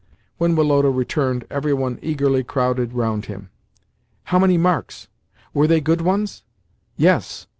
When Woloda returned, every one eagerly crowded round him. "How many marks? Were they good ones?" "Yes."